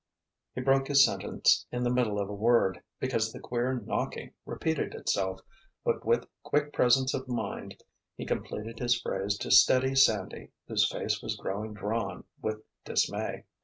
He broke his sentence in the middle of a word because the queer knocking repeated itself, but with quick presence of mind he completed his phrase to steady Sandy, whose face was growing drawn with dismay.